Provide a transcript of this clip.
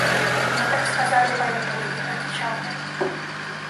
«Мне так сказывали в Оренбурге», – отвечал я.